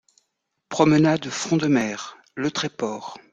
Promenade Front de Mer, Le Tréport